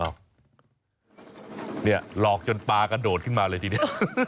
นี่หลอกจนปากระโดดขึ้นมาเลยทีนี้